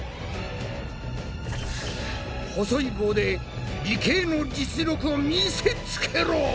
細い棒で理系の実力を見せつけろ！